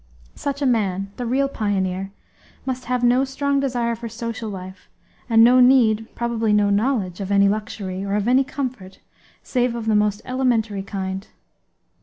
Such a man, the real pioneer, must have no strong desire for social life and no need, probably no knowledge, of any luxury, or of any comfort save of the most elementary kind.